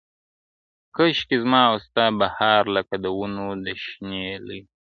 • کشکي زما او ستا بهار لکه د ونو د شنېلیو -